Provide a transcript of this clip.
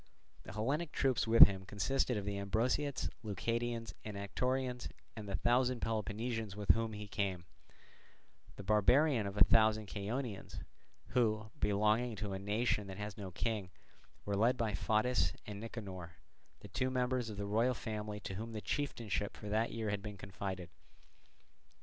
The Hellenic troops with him consisted of the Ambraciots, Leucadians, and Anactorians, and the thousand Peloponnesians with whom he came; the barbarian of a thousand Chaonians, who, belonging to a nation that has no king, were led by Photys and Nicanor, the two members of the royal family to whom the chieftainship for that year had been confided.